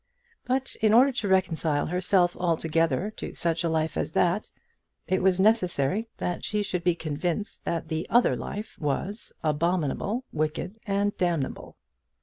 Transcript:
But in order to reconcile herself altogether to such a life as that, it was necessary that she should be convinced that the other life was abominable, wicked, and damnable.